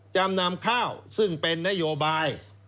จำนำข้าวซึ่งเป็นนโยบาย